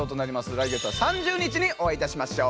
来月は３０日にお会いいたしましょう。